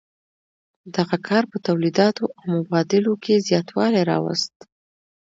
دغه کار په تولیداتو او مبادلو کې زیاتوالی راوست.